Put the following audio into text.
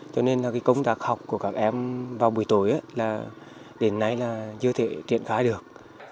cho nên công tác học của các em vào buổi tối đến nay chưa thể triển khai được